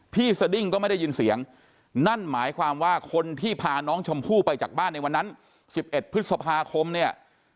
สดิ้งก็ไม่ได้ยินเสียงนั่นหมายความว่าคนที่พาน้องชมพู่ไปจากบ้านในวันนั้น๑๑พฤษภาคมเนี่ย